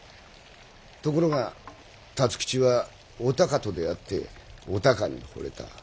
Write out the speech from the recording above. ところが辰吉はおたかと出会っておたかに惚れた。